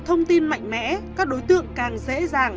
thông tin mạnh mẽ các đối tượng càng dễ dàng